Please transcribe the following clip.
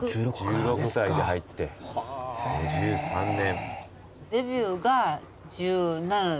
１６歳で入って５３年。